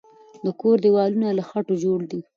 د کور دیوالونه له خټو جوړ دی.